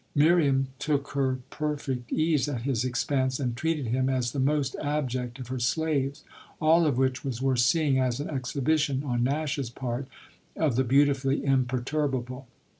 Miriam took her perfect ease at his expense and treated him as the most abject of her slaves: all of which was worth seeing as an exhibition, on Nash's part, of the beautifully imperturbable.